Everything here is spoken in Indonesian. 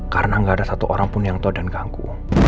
karena gak ada satu orang pun yang tau dan ganggu